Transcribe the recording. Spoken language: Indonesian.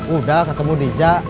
udah ketemu nija